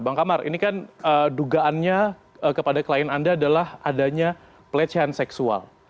bang kamar ini kan dugaannya kepada klien anda adalah adanya pelecehan seksual